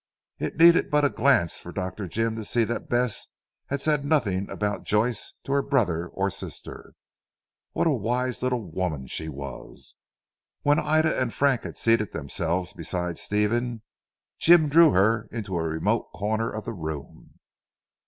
It needed but a glance for Dr. Jim to see that Bess had said nothing about Joyce to her brother or sister. What a wise little woman she was! When Ida and Frank had seated themselves beside Stephen, Jim drew her into a remote corner of the room.